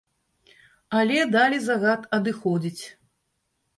Але далі загад адыходзіць.